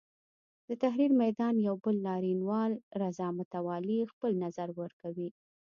د تحریر میدان یو بل لاریونوال رضا متوالي خپل نظر ورکوي.